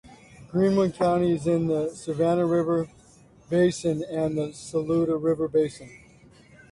Greenwood County is in the Savannah River basin and the Saluda River basin.